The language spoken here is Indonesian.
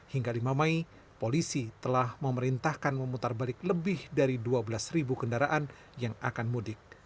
hingga lima mei polisi telah memerintahkan memutar balik lebih dari dua belas kendaraan yang akan mudik